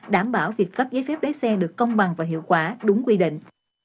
đảm bảo việc cấp giấy phép lái xe được công bằng và hiệu quả đúng quy định